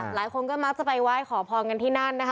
หลายคนก็มักจะไปไหว้ขอพรกันที่นั่นนะคะ